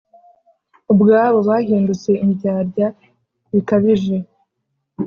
ubwabo bahindutse indyarya bikabije!